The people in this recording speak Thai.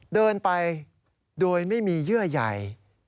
เดินไปโดยไม่มีเยื่อใหญ่